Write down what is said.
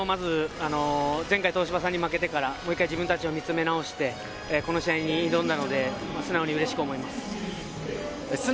前回、東芝さんに負けてから、もう一度自分たちを見つめ直して、この試合に挑んだので、素直にうれしく思います。